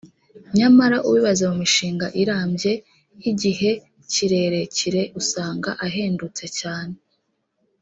nyamara ubibaze mu mishinga irambye (y’igihe kirerkire) usanga ahendutse cyane